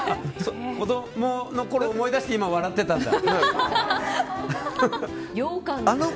子供のころを思い出して今、笑ってたんだ。